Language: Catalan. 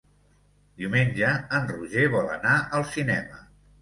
Diumenge en Roger vol anar al cinema.